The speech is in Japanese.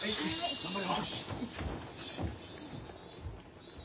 頑張れよ。